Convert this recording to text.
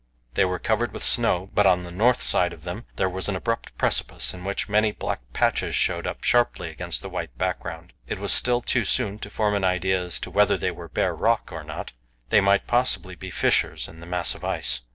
They were covered with snow, but on the north side of them there was an abrupt precipice, in which many black patches showed up sharply against the white background. It was still too soon to form an idea as to whether they were bare rock or not; they might possibly be fissures in the mass of ice.